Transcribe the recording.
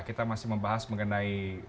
kita masih membahas mengenai